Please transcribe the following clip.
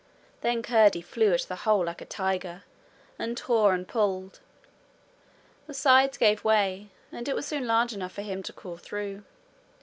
Then Curdie flew at the hole like a tiger, and tore and pulled. The sides gave way, and it was soon large enough for him to crawl through.